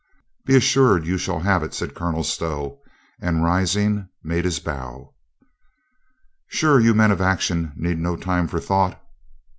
"Be assured you shall have it," said Colonel Stow, and rising made his bow. "Sure, you men of action need no time for thought."